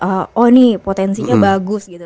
oh ini potensinya bagus gitu